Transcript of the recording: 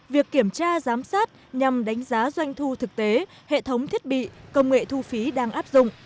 việc kiểm tra giám sát nhằm đánh giá doanh thu thực tế hệ thống thiết bị công nghệ thu phí đang áp dụng